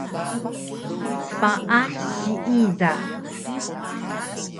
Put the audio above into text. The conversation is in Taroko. Paah siida